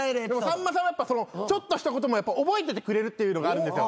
さんまさんはちょっとしたことも覚えててくれるっていうのがあるんですよ。